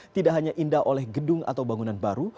tidak hanya indah oleh gedung atau bangunan baru